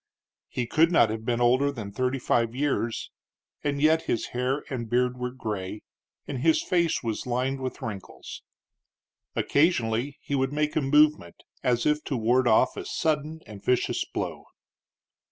He could not have been older than thirty five years, and yet his hair and beard were gray, and his face was lined with wrinkles. Occasionally he would make a movement as if to ward off a sudden and vicious blow.